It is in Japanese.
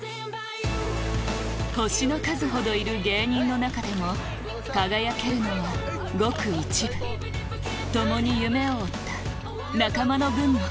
星の数ほどいる芸人の中でも輝けるのはごく一部共に夢を追った仲間の分も！